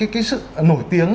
cái sự nổi tiếng